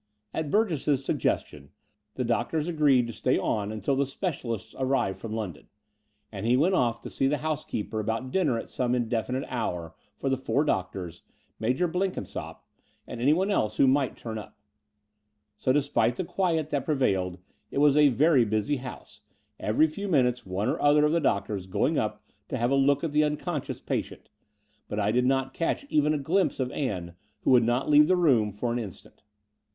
At Burgess's suggestion the doctors agreed to stay on until the specialists arrived from London; and he went off to see the housekeeper about dinner at some indefinite hour for the four doctors, Major Blenkinsopp, and anyone else who might turn up. So, despite the quiet that prevailed, it was a very busy house, every few minutes one or other of the doctors going up to have a look at the unconscious patient; but I did not catch even a glimpse of Ann, who would not leave the room for an instant.